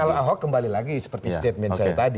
kalau ahok kembali lagi seperti statement saya tadi